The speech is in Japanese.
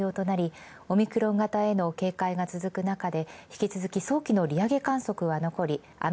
オミクロン型への警戒が続く中、引き続き早期の利上げ観測。